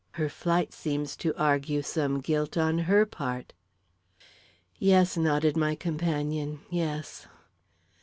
Her flight seems to argue some guilt on her part." "Yes," nodded my companion; "yes."